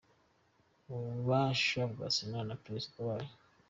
Ububasha bwa Sena na Perezida wayo